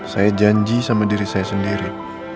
saya janji sama diri saya sendiri